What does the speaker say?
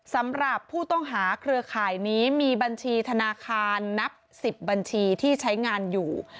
สำหรับผู้ต้องหาเครือข่ายนี้มีบัญชีธนาคารนับ๑๐บัญชีที่ใช้งานอยู่